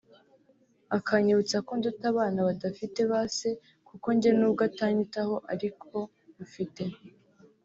akanyibutsa ko nduta abana badafite ba se kuko njye n’ubwo atanyitaho ariko mufite